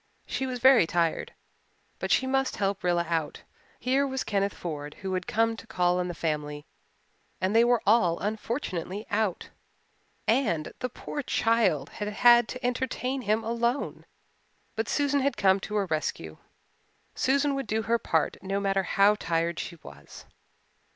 She was very tired but she must help Rilla out. Here was Kenneth Ford who had come to call on the family and they were all unfortunately out, and "the poor child" had had to entertain him alone. But Susan had come to her rescue Susan would do her part no matter how tired she was.